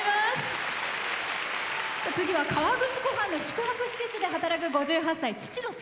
次は河口湖畔の宿泊施設で働く５８歳。